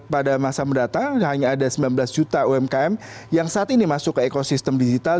pada masa mendatang hanya ada sembilan belas juta umkm yang saat ini masuk ke ekosistem digital